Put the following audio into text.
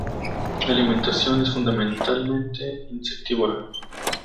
La alimentación es fundamentalmente insectívora.